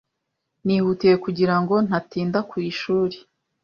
Nihutiye kugira ngo ntatinda ku ishuri.